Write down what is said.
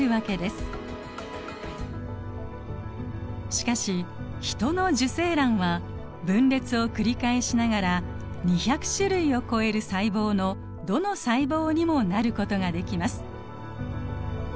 しかしヒトの受精卵は分裂を繰り返しながら２００種類を超える細胞のどの細胞にもなることができます。